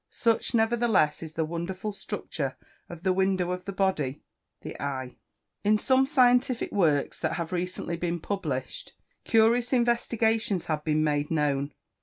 Such, nevertheless, is the wonderful structure of the window of the body the eye. In some scientific works that have recently been published, curious investigations have been made known.